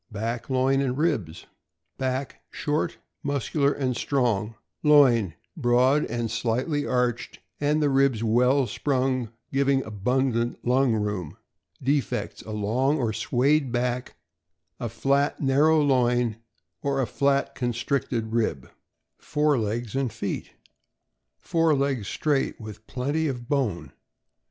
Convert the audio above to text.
Back, loin, and ribs. — Back short, muscular, and strong. Loin broad and slightly arched, and the ribs well sprung, giving abundant lung room. Defects: A long or swayed back, a fiat, narrow loin, or a flat, constricted rib. Fore legs and feet. — Fore legs straight, with plenty of bone.